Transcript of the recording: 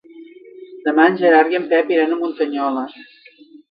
Demà en Gerard i en Pep iran a Muntanyola.